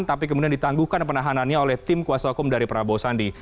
tapi kemudian ditangguhkan penahanannya oleh tim kuasa hukum dari prabowo sandi